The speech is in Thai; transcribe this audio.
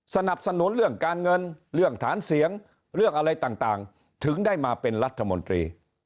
สนับสนุนเรื่องการเงินเรื่องฐานเสียงเรื่องอะไรต่างถึงได้มาเป็นรัฐมนตรี